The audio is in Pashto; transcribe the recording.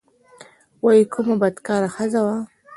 وايي کومه بدکاره ښځه وه.